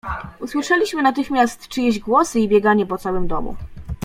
"Usłyszeliśmy natychmiast czyjeś głosy i bieganie po całym domu."